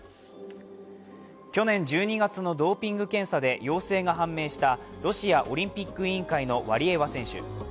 去年１２月のドーピング検査で陽性が判明したロシアオリンピック委員会のワリエワ選手。